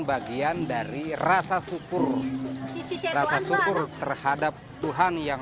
bagian dari rasa syukur rasa syukur terhadap tuhan yang